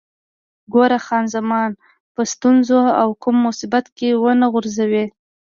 ګوره، خان زمان په ستونزو او کوم مصیبت کې ونه غورځوې.